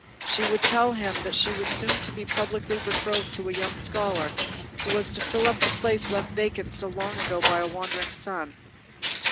She would tell him that she was soon to be publicly betrothed to a young scholar, who was to fill up the place left vacant long ago by a wandering son.